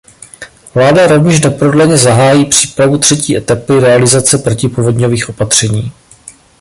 Vláda rovněž neprodleně zahájí přípravu třetí etapy realizace protipovodňových opatření.